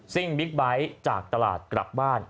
่งบิ๊กไบท์จากตลาดกลับบ้าน